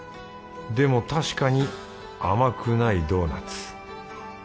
でも確かに甘くないドーナツ。